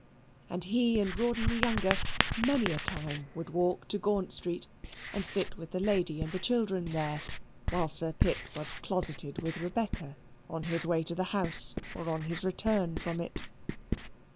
And he and Rawdon the younger many a time would walk to Gaunt Street and sit with the lady and the children there while Sir Pitt was closeted with Rebecca, on his way to the House, or on his return from it.